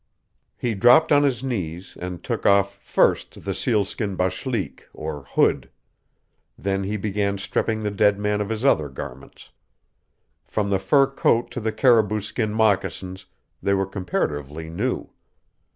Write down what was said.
He dropped on his knees and took off first the sealskin bashlyk, or hood. Then he began stripping the dead man of his other garments. From the fur coat to the caribou skin moccasins they were comparatively new.